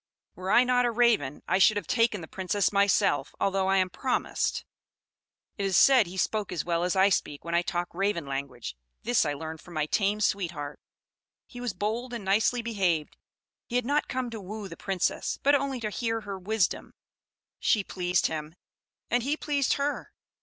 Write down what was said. "Were I not a Raven, I should have taken the Princess myself, although I am promised. It is said he spoke as well as I speak when I talk Raven language; this I learned from my tame sweetheart. He was bold and nicely behaved; he had not come to woo the Princess, but only to hear her wisdom. She pleased him, and he pleased her."